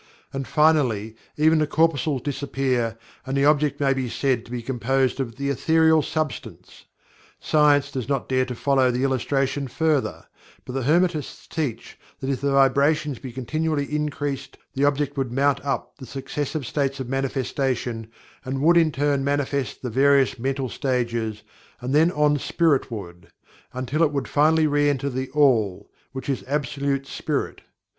And finally, even the corpuscles disappear and the object may be said to Be composed of The Ethereal Substance. Science does not dare to follow the illustration further, but the Hermetists teach that if the vibrations be continually increased the object would mount up the successive states of manifestation and would in turn manifest the various mental stages, and then on Spiritward, until it would finally re enter THE ALL, which is Absolute Spirit.